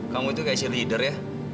kamu itu kayak share leader ya